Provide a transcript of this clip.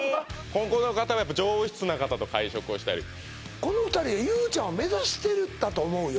ここの方はやっぱり上質な方と会食をしたりこの２人はＹＯＵちゃんを目指してたと思うよ